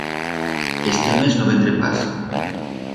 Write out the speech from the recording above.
Este mes no vendré pas.